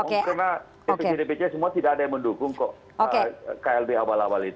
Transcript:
karena dpc dpc semua tidak ada yang mendukung kok klb abal abal itu